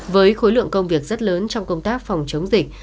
với khối lượng công việc rất lớn trong công tác phòng chống dịch